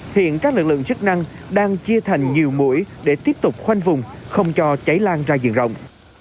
hiện các lực lượng chức năng đang chia thành nhiều mũi để tiếp tục khoanh vùng không cho cháy lan ra diện rộng